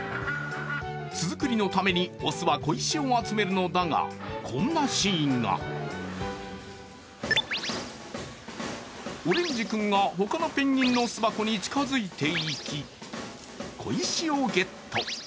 巣作りのために、雄は小石を集めるのだが、こんなシーンが。オレンジ君がほかのペンギンの巣箱に近づいていき、小石をゲット。